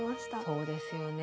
そうですよね。